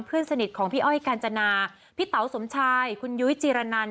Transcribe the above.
เพื่อนสนิทของพี่อ้อยกาญจนาพี่เต๋าสมชายคุณยุ้ยจีรนัน